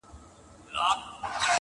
ما به ولي بې گناه خلک وژلاى!.